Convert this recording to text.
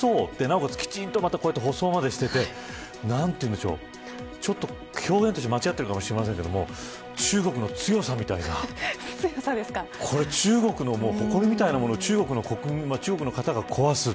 それを壊そう、なおかつきちんと塗装までしていて表現として間違ってるかもしれませんが中国の強さみたいなものが中国の誇りみたいなものを中国の方が壊す。